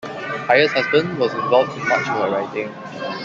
Heyer's husband was involved in much of her writing.